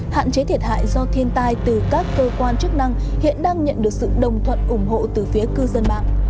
hạn chế thiệt hại do thiên tai từ các cơ quan chức năng hiện đang nhận được sự đồng thuận ủng hộ từ phía cư dân mạng